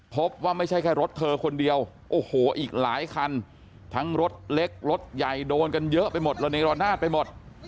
พบว่าไม่ใช่แค่รถเธอคนเดียวโอ้โหอีกหลายคันทั้งรถเล็กรถใหญ่โดนกันเยอะไปหมดระเนรนาศไปหมด